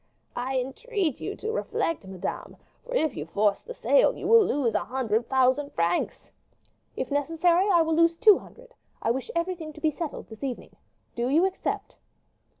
"I entreat you to reflect, madame; for if you force the sale, you will lose a hundred thousand francs." "If necessary, I will lose two hundred; I wish everything to be settled this evening. Do you accept?"